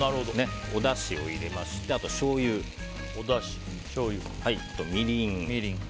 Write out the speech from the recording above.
おだしを入れて、あとしょうゆ、みりん